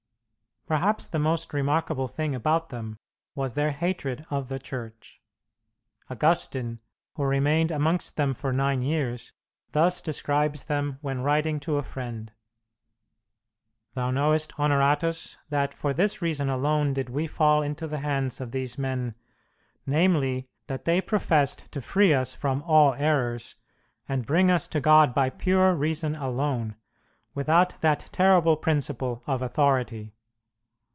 Perhaps the most remarkable thing about them was their hatred of the Church. Augustine, who remained amongst them for nine years, thus describes them when writing to a friend: "Thou knowest, Honoratus, that for this reason alone did we fall into the hands of these men namely, that they professed to free us from all errors, and bring us to God by pure reason alone, without that terrible principle of authority.